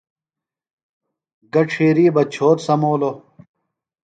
گہ ڇِھیری بہ تی چھوت سمولوۡ۔